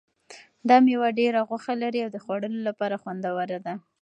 دا مېوه ډېره غوښه لري او د خوړلو لپاره خوندوره ده.